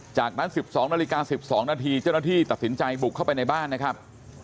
จากนั้น๑๒นาฬิกา๑๒นาทีเจ้าหน้าที่ตัดสินใจบุกเข้าไปในบ้านนะครับ